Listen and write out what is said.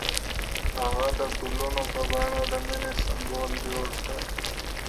هغه د ګلونه په بڼه د مینې سمبول جوړ کړ.